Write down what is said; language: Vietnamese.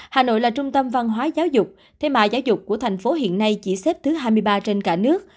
hà nội là trung tâm văn hóa giáo dục thế mà giáo dục của thành phố hiện nay chỉ xếp thứ hai mươi ba trên cả nước